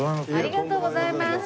ありがとうございます！